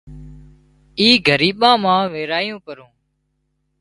اِي ڳريٻان مان ويرايُون پرون